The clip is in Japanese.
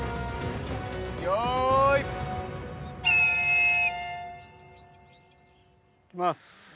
よい！いきます！